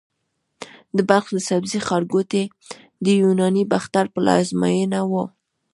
د بلخ د سبزې ښارګوټي د یوناني باختر پلازمېنه وه